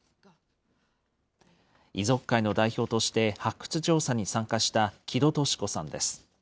遺族会の代表として発掘調査に参加した城戸利子さんです。